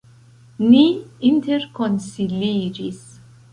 Ni interkonsiliĝis.